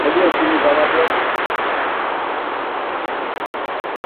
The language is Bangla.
বিষয়টি নিয়ে চীনের স্মার্টফোন নির্মাতা শিয়াওমির সঙ্গে বিশেষ চুক্তিও সেরে ফেলেছে মাইক্রোসফট।